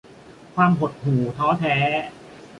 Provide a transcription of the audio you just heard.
ความหดหู่ท้อแท้